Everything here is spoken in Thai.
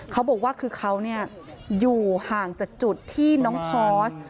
เขาบอกว่าคือเขาอยู่ห่างจากจุดที่น้องพอร์ส